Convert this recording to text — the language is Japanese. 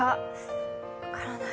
分からない。